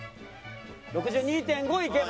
６２．５いけば。